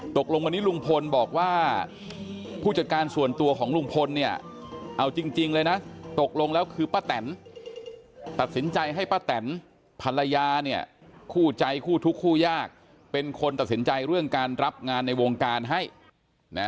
ตกลงวันนี้ลุงพลบอกว่าผู้จัดการส่วนตัวของลุงพลเนี่ยเอาจริงเลยนะตกลงแล้วคือป้าแตนตัดสินใจให้ป้าแตนภรรยาเนี่ยคู่ใจคู่ทุกคู่ยากเป็นคนตัดสินใจเรื่องการรับงานในวงการให้นะ